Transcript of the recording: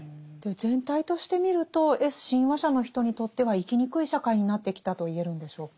全体として見るとＳ親和者の人にとっては生きにくい社会になってきたと言えるんでしょうか。